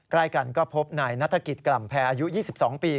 ใกล้กันก็พบนายนัฐกิจกล่ำแพรอายุ๒๒ปี